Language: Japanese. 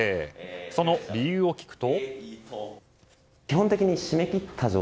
その理由を聞くと。